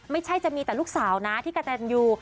ไม่ใช่จะมีแต่ลูกสาวนะที่กระตันยู